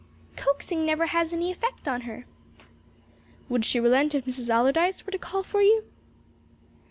"Coaxing never has any effect on her." "Would she relent if Mrs. Allardyce were to call for you?"